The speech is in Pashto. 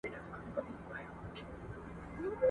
زورورو د کمزورو برخي وړلې ..